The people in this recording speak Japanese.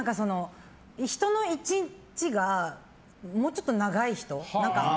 人の１日がもうちょっと長い人。